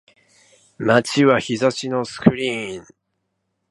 街は日差しのスクリーン